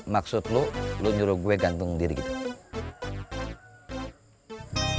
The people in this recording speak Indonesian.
maksud lo lu nyuruh gue gantung diri gitu